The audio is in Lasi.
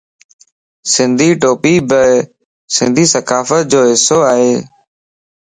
سنڌي ٽوپي بي سنڌي ثقافت جو حصو ائي.